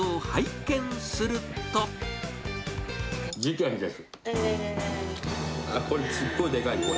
事件です。